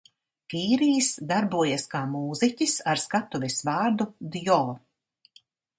Kīrijs darbojas kā mūziķis ar skatuves vārdu Djo.